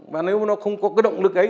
và nếu nó không có cái động lực ấy